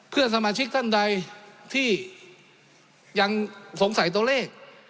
เพื่อนสมาชิกท่านใดที่ยังสงสัยตัวเลข